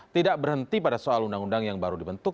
tidak berhenti pada soal undang undang yang baru dibentuk